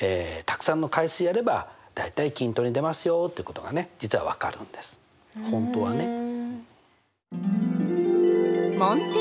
たくさんの回数やれば大体均等に出ますよってことがね実は分かるんです本当はね。